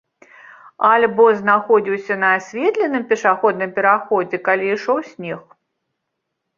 Альбо знаходзіўся на асветленым пешаходным пераходзе, калі ішоў снег.